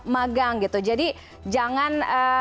magang jadi jangan